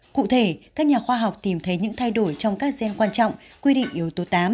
cụ thể các nhà khoa học tìm thấy những thay đổi trong các gen quan trọng quy định yếu tố tám